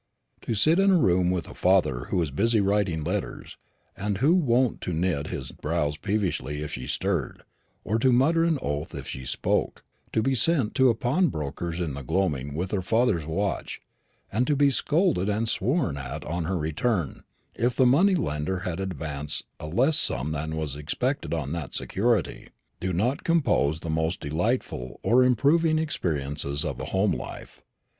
To sit in a room with a father who was busy writing letters, and who was wont to knit his brows peevishly if she stirred, or to mutter an oath if she spoke; to be sent to a pawnbroker's in the gloaming with her father's watch, and to be scolded and sworn at on her return if the money lender had advanced a less sum than was expected on that security do not compose the most delightful or improving experiences of a home life.